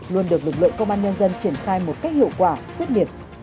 luôn được lực lượng công an nhân dân triển khai một cách hiệu quả quyết liệt